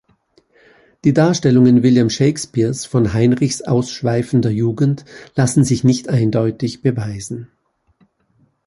Die Darstellungen William Shakespeares von Heinrichs ausschweifender Jugend lassen sich nicht eindeutig beweisen.